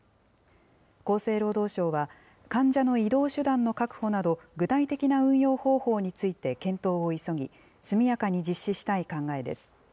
厚生労働省は、患者の移動手段の確保など、具体的な運用方法について検討を急ぎ、速やかに実施したい考えです。